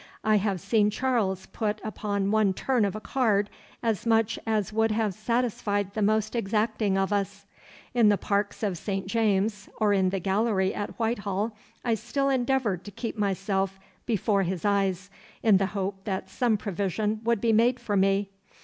I have seen Charles put upon one turn of a card as much as would have satisfied the most exacting of us. In the parks of St. James, or in the Gallery at Whitehall, I still endeavoured to keep myself before his eyes, in the hope that some provision would be made for me.